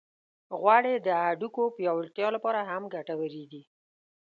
غوړې د هډوکو پیاوړتیا لپاره هم ګټورې دي.